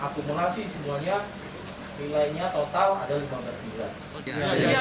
akumulasi semuanya nilainya total ada lima belas bulan